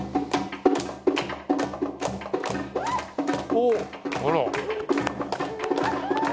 おっあら。